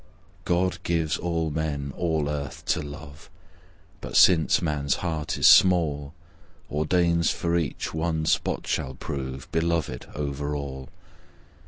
God gives all men all earth to love, But, since man's heart is smal, Ordains for each one spot shal prove Beloved over all.